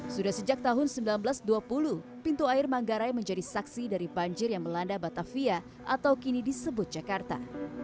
sudah sejak tahun seribu sembilan ratus dua puluh pintu air manggarai menjadi saksi dari banjir yang melanda batavia atau kini disebut jakarta